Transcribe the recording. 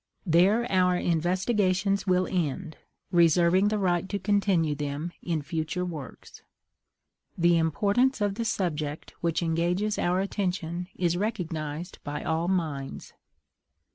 There our investigations will end, reserving the right to continue them in future works. The importance of the subject which engages our attention is recognized by all minds.